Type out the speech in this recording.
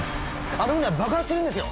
あの船は爆発するんですよ